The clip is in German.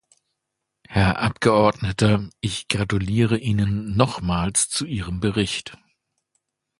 Herr Abgeordneter, ich gratuliere Ihnen nochmals zu Ihrem Bericht.